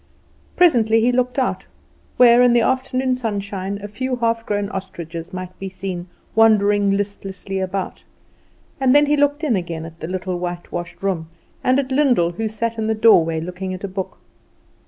Presently he looked out, where, in the afternoon sunshine, a few half grown ostriches might be seen wandering listlessly about, and then he looked in again at the little whitewashed room, and at Lyndall, who sat in the doorway looking at a book.